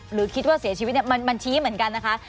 หรือคิดว่าเสียชีวิตมันชี้เหมือนกันนะคะ